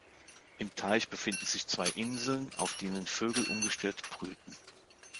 Im Teich befinden sich zwei Inseln, auf denen Vögel ungestört brüten.